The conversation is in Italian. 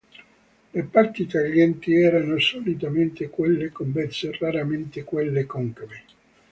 Le parti taglienti erano solitamente quelle convesse, raramente quelle concave.